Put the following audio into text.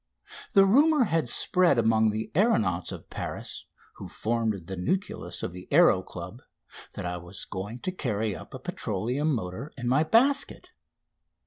The rumour had spread among the aeronauts of Paris, who formed the nucleus of the Aéro Club, that I was going to carry up a petroleum motor in my basket.